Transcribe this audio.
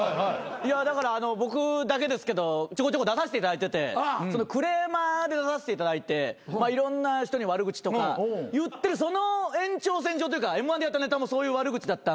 いやだから僕だけですけどちょこちょこ出させていただいててクレーマーで出させていただいていろんな人に悪口とか言ってるその延長線上というかＭ−１でやったネタもそういう悪口だったんで。